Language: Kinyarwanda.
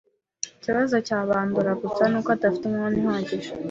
Ikibazo cya Bandora gusa ni uko adafite umwanya uhagije.